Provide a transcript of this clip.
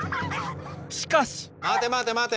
しかし待て待て待て！